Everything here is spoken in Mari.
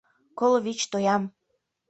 — Коло вич тоям!